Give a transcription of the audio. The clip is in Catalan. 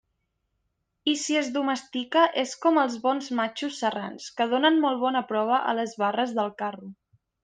I si es domestica, és com els bons matxos serrans, que donen molt bona prova a les barres del carro.